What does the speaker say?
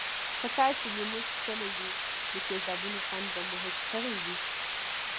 که تاسې لیمو څکلی وي د تیزابو خوند به مو حس کړی وی.